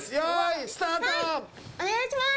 お願いしまーす！